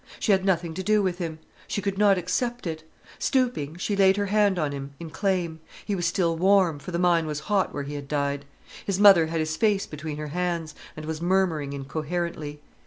She had nothing to do with him. She could not accept it. Stooping, she laid her hand on him, in claim. He was still warm, for the mine was hot where he had died. His mother had his face between her hands, and was murmuring incoherently.